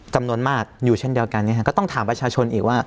จำนวนมากอยู่เช่นเดียวกันก็ต้องถามประชาชนอีกว่า